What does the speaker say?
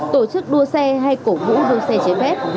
tổ chức đua xe hay cổ vũ đua xe trái phép